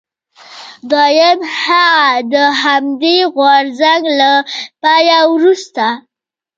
دویم هغه د همدې غورځنګ له پای وروسته.